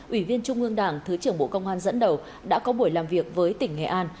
ủy viên trung ương đảng thứ trưởng bộ công an dẫn đầu đã có buổi làm việc với tỉnh nghệ an